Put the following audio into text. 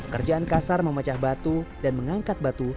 kerjaan kasar memecah batu dan mengangkat batu